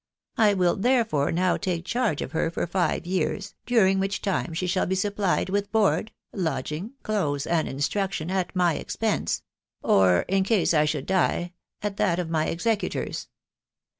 1 will therefore now take charge of her for five years, during which time she shall be supplied with hoard, lodging, clothes, and instruction, at my expense ; or, in case I should die, at that of my executors.